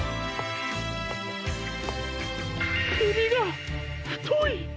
くびがふとい！